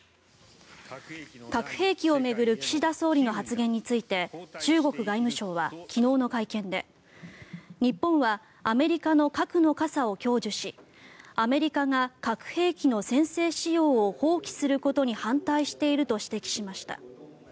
核兵器を巡る岸田総理の発言について中国外務省は昨日の会見で日本はアメリカの核の傘を享受しアメリカが核兵器の先制使用を放棄することに反対していると指摘しました。